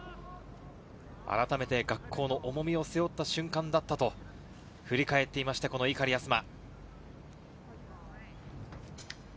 あらためて学校の重みを背負った瞬間だったと、振り返っていました、碇明日麻。